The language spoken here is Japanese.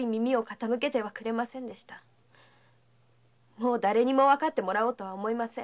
もうだれにもわかってもらおうとは思いません。